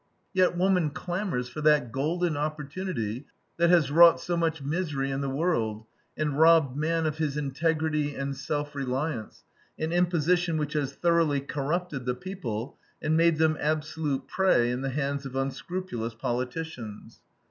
Yet woman clamors for that "golden opportunity" that has wrought so much misery in the world, and robbed man of his integrity and self reliance; an imposition which has thoroughly corrupted the people, and made them absolute prey in the hands of unscrupulous politicians.